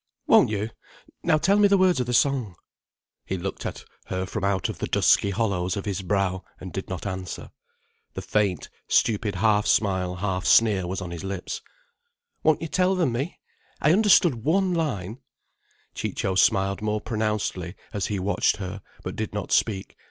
"Won't you? Now tell me the words of the song—" He looked at her from out of the dusky hollows of his brow, and did not answer. The faint, stupid half smile, half sneer was on his lips. "Won't you tell them me? I understood one line—" Ciccio smiled more pronouncedly as he watched her, but did not speak.